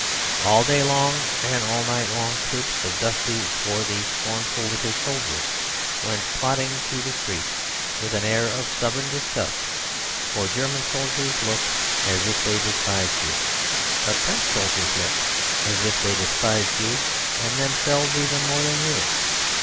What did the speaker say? All day long and all night long troops of dusty, swarthy, scornful little soldiers went plodding through the streets with an air of stubborn disgust, for German soldiers look as if they despised you, but French soldiers as if they despised you and themselves even more than you.